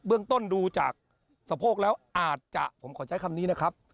เรื่องต้นดูจากสะโพกแล้วอาจจะผมขอใช้คำนี้นะครับ